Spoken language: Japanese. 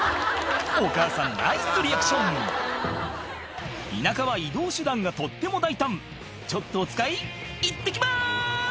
お母さんナイスリアクション田舎は移動手段がとっても大胆「ちょっとお使いいってきます！」